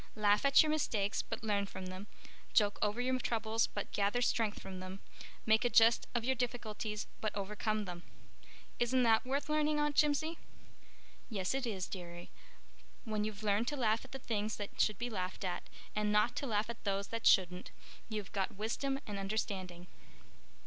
Laugh at your mistakes but learn from them, joke over your troubles but gather strength from them, make a jest of your difficulties but overcome them.' Isn't that worth learning, Aunt Jimsie?" "Yes, it is, dearie. When you've learned to laugh at the things that should be laughed at, and not to laugh at those that shouldn't, you've got wisdom and understanding."